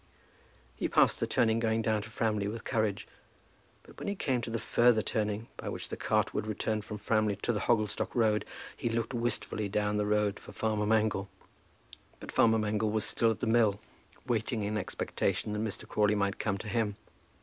He passed the turning going down to Framley with courage, but when he came to the further turning, by which the cart would return from Framley to the Hogglestock road, he looked wistfully down the road for farmer Mangle. But farmer Mangle was still at the mill, waiting in expectation that Mr. Crawley might come to him.